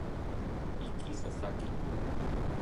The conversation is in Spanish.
Ikki Sasaki